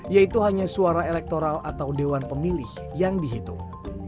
yaitu hanya suara elektoral atau dewan pemilih yang dihitung